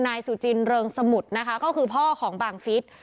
นายสุจินเริงสมุทรนะคะก็คือพ่อของบังฟิศ